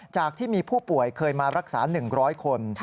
จากที่มีผู้ป่วยเคยมารักษา๑๐๐คน